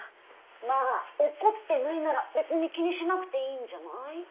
まあ怒ってないなら別に気にしなくていいんじゃない？